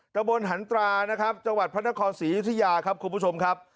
ตะบนหันตรานะครับจังหวัดพระนครศรีอยุธยาครับคุณผู้ชมครับ